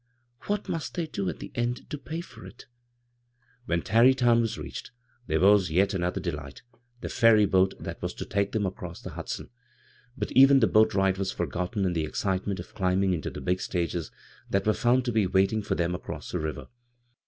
IVhai must they do at the end to pay for it ?" When Tarrytown was readied, there was yet another delight — the ferry boat that was to take them across the Hudson ; but even the boat ride was forgotten in the ezdtement of climtung into the big stages that were found to be w^tlng for them across the river.